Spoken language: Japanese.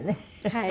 はい。